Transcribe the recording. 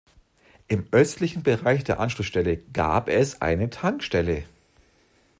Im östlichen Bereich der Anschlussstelle gab es eine Tankstelle.